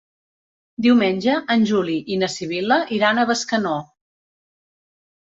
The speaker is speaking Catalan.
Diumenge en Juli i na Sibil·la iran a Bescanó.